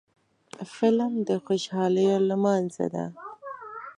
فلم د خوشحالیو لمانځنه ده